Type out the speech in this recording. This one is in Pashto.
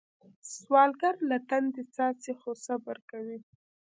سوالګر له تندي څاڅي خو صبر کوي